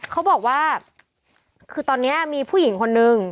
เขาบอกว่าคือตอนนี้มีผู้หญิงคนนึง